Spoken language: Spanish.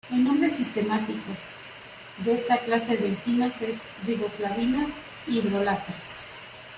El nombre sistemático de esta clase de enzimas es "riboflavina hidrolasa".